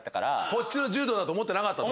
こっちの柔道だと思ってなかった？